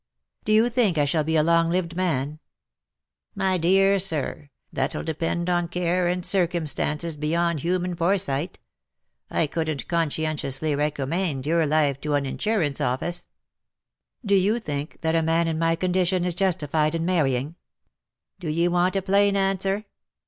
'' Do you think I shall be a long lived man ?"*' My dear sir, that'll depend on care and cir cumstances beyond human foresight. I couldn't conscientiously recommaind your life to an Insur ance Office." *' Do you think that a man in my condition is justified in marrying V " LET ME AND MY PASSIONATE LOVE GO BY. \)" Do ye want a plain answer